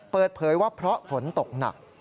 เปิดเผยว่าเพราะฝนตกหนัก